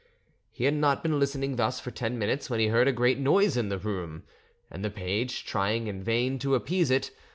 He had not been listening thus for ten minutes when he heard a great noise in the room, and the page trying in vain to appease it.